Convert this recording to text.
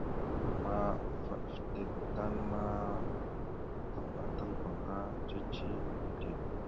Ama vaɗ fətek tan ma tavəɗataləbáŋga cici tte.